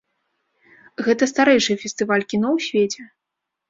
Гэта старэйшы фестываль кіно ў свеце.